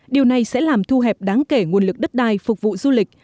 điều này sẽ làm thu hẹp đáng kể nguồn lực đất đai phục vụ du lịch